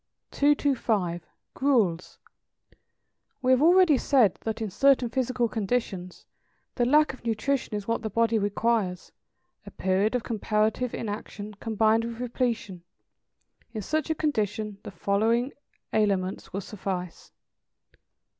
225. =Gruels.= We have already said that in certain physical conditions the lack of nutrition is what the body requires, a period of comparative inaction, combined with repletion; in such a condition the following aliments will suffice.